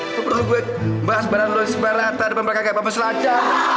apa perlu gue bahas badan lo sebarata depan mereka kayak pampus laca